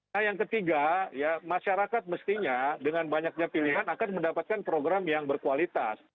nah yang ketiga ya masyarakat mestinya dengan banyaknya pilihan akan mendapatkan program yang berkualitas